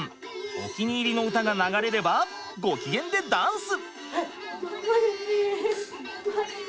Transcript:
お気に入りの歌が流れればご機嫌でダンス！